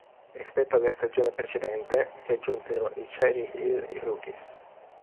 Rispetto alla stagione precedente si aggiunsero i Cherry Hill Rookies.